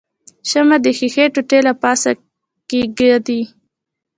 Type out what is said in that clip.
شمع د ښيښې ټوټې له پاسه کیږدئ.